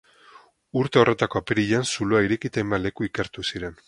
Urte horretako apirilean zuloa ireki eta hainbat leku ikertu ziren.